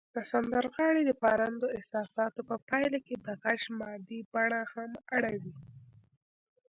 د سندرغاړي د پارندو احساساتو په پایله کې د غږ مادي بڼه هم اوړي